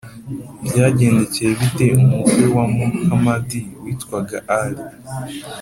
byagendekeye bite umukwe wa muhamadi witwaga alī?